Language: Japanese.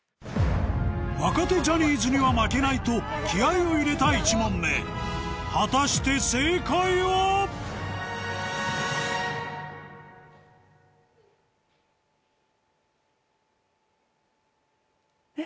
若手ジャニーズには負けないと気合を入れた１問目果たして正解は？え？